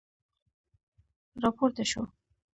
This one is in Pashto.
را پورته شو.